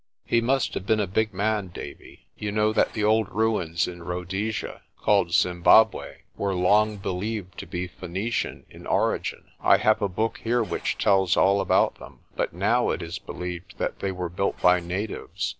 "He must have been a big man, Davie. You know that the old ruins in Rhodesia, called Zimbabwe, were long be lieved to be Phoenician in origin. I have a book here which tells all about them. But now it is believed that they were built by natives.